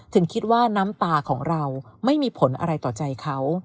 ถึงคิดว่าน้ำตาของเราไม่มีผลอะไรต่อใจเขา